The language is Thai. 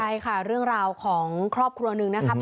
ใช่ค่ะเรื่องราวของครอบครัวหนึ่งนะครับ